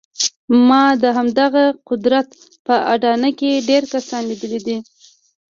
ما د همدغه قدرت په اډانه کې ډېر کسان لیدلي دي